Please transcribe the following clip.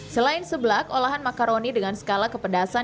selain seblak olahan makaroni dengan skala kepedasan